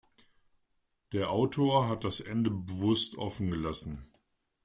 Der Autor hat das Ende bewusst offen gelassen.